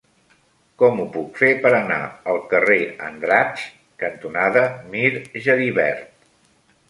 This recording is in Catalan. Com ho puc fer per anar al carrer Andratx cantonada Mir Geribert?